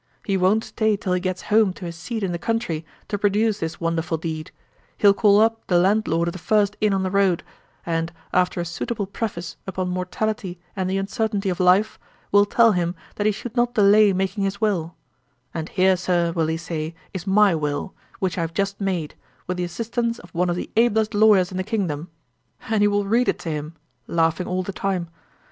He won't stay till he gets home to his seat in the country, to produce this wonderful deed: he'll call up the landlord of the first inn on the road; and, after a suitable preface upon mortality and the uncertainty of life, will tell him that he should not delay making his will; and here, Sir, will he say, is my will, which I have just made, with the assistance of one of the ablest lawyers in the kingdom; and he will read it to him (laughing all the time).